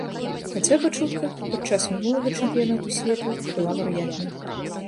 Хаця, па чутках, падчас мінулага чэмпіянату свету была вар'ятня.